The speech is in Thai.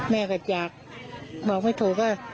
แม่ก็อยากบอกไม่ถูกว่า